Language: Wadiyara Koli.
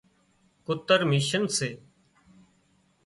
ڪُتر مشينَ سي